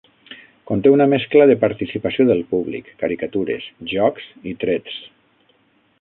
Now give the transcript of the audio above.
Conté una mescla de participació del públic, caricatures, jocs i trets.